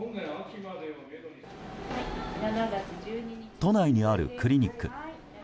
都内にあるクリニック。